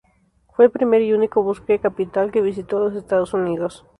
Fue el primer y único buque capital que visitó los Estados Unidos.